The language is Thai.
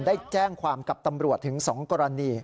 ได้แจ้งความกับตำรวจถึง๒กรณี